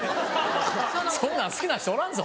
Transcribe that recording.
そんなん好きな人おらんぞ。